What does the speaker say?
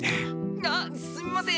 あっすみません。